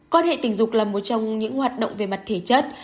quan hệ tình dục là một trong những hoạt động về mặt thể chất